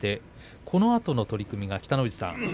このあとの取組が、北の富士さん